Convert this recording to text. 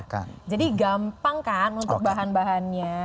gila jadi gampang kan untuk bahan bahannya